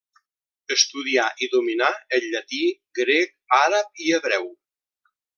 Estudià i dominà el llatí, grec, àrab i hebreu.